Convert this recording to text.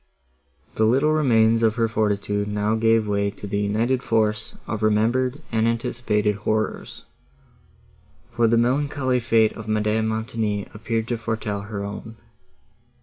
The little remains of her fortitude now gave way to the united force of remembered and anticipated horrors, for the melancholy fate of Madame Montoni appeared to foretell her own.